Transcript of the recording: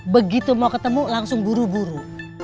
begitu mau ketemu langsung buru buru